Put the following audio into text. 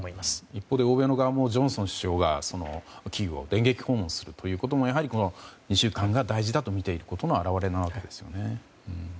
一方で欧米側もジョンソン首相がキーウを電撃訪問するということもやはり、この２週間が大事だとみていることの表れなわけですね。